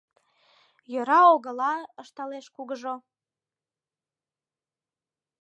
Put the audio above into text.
— Йӧра огыла, — ышталеш кугыжо.